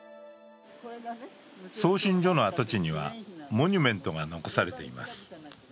送信所の跡地にはモニュメントが残されています。